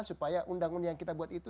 supaya undang undang yang kita buat itu